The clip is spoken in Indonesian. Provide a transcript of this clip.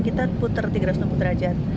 kita puter tiga ratus enam puluh derajat